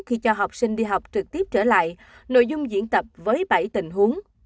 khi cho học sinh đi học trực tiếp trở lại nội dung diễn tập với bảy tình huống